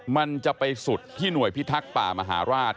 มันจะไปสุดที่หน่วยพิทักษ์ป่ามหาราช